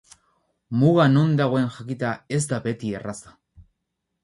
Muga non dagoen jakitea ez da beti erraza.